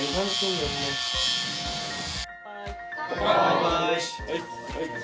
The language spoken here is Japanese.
乾杯。